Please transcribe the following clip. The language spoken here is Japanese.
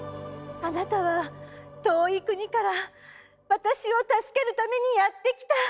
あなたは遠い国から私を助けるためにやって来た。